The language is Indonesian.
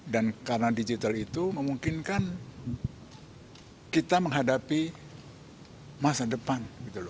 karena digital itu memungkinkan kita menghadapi masa depan